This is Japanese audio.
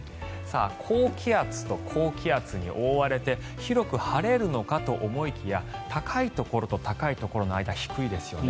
高気圧と高気圧に覆われて広く晴れるのかと思いきや高いところと高いところの間低いですよね。